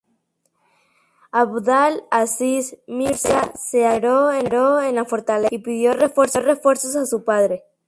Abdal-Aziz Mirza se atrincheró en la fortaleza y pidió refuerzos a su padre.